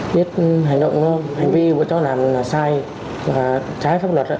biết hành vi của chó làm là sai và trái pháp luật